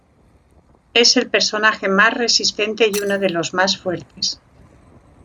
Es el personaje más resistente y uno de los más fuertes.